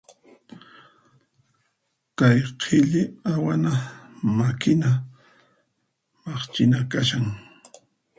Kay qhilli awana makina maqchina kashan.